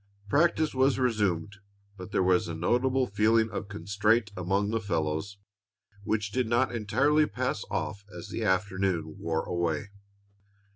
Practice was resumed, but there was a notable feeling of constraint among the fellows, which did not entirely pass off as the afternoon wore away.